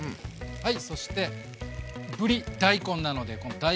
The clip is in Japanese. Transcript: はい。